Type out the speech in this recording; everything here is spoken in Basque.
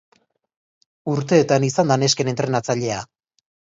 Urteetan izan da nesken entrenatzailea.